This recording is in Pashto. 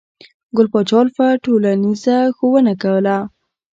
ګل پاچا الفت ټولنیزه ښوونه کوله.